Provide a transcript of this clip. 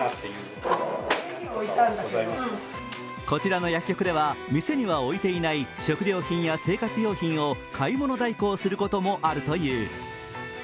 こちらの薬局では店には置いていない食料品や生活用品を買い物代行することもあるという。